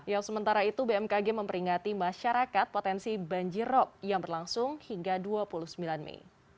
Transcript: yang sementara itu bmkg memperingati masyarakat potensi banjirop yang berlangsung hingga dua puluh sembilan mei